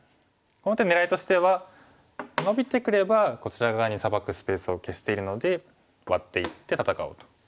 この手狙いとしてはノビてくればこちら側にサバくスペースを消しているのでワッていって戦おうと。